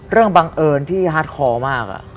เรื่องบังเอิญที่ฮาร์ดคอลมาก